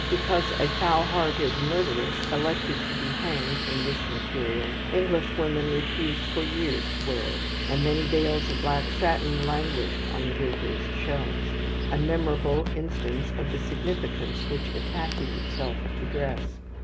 Because a foul hearted murderess elected to be hanged in this material, Englishwomen refused for years to wear it, and many bales of black satin languished on the drapers' shelves, a memorable instance of the significance which attaches itself to dress.